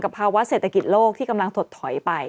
ภาวะเศรษฐกิจโลกที่กำลังถดถอยไป